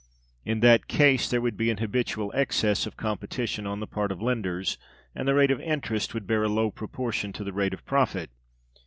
In that case there would be an habitual excess of competition on the part of lenders, and the rate of interest would bear a low proportion to the rate of profit.